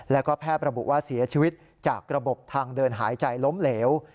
แล้วก็แพทย์ระบุว่าเสียชีวิตจากระบบทางเดินหายใจล้มเหลว